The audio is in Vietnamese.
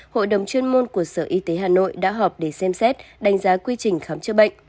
hội đồng chuyên môn của sở y tế hà nội đã họp để xem xét đánh giá quy trình khám chữa bệnh